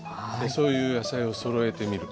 そういう野菜をそろえてみる。